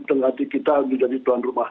tenggati kita jadi tuan rumah